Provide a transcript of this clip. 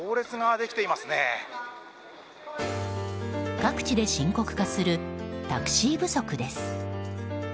各地で深刻化するタクシー不足です。